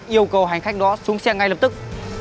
yêu cầu hành khách đó xuống xe ngay lập tức